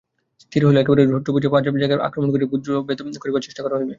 স্থির হইল, একেবারে শত্রুব্যূহের পাঁচ জায়গায় আক্রমণ করিয়া ব্যূহভেদ করিবার চেষ্টা করা হইবে।